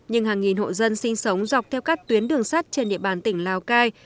nhưng hàng nghìn hộ dân sinh sống dọc theo các tuyến đường sắt trên địa bàn tỉnh lào cai